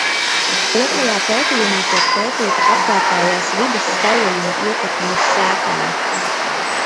Otrajā pētījumā tiek pētīta apkārtējās vides starojuma ietekme uz sēklām.